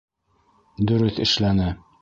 Дөрөҫ эшләне.